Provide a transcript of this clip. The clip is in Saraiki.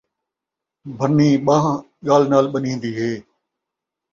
بھنیں ٻانہہ ڳل نال ٻنھیندی ہے